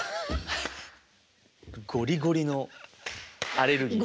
ゴリゴリのアレルギーで。